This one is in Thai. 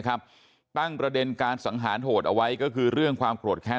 ตั้งประเด็นการสังหารโหดเอาไว้ก็คือเรื่องความโกรธแค้น